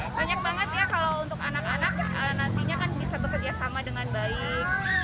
banyak banget ya kalau untuk anak anak nantinya kan bisa bekerja sama dengan baik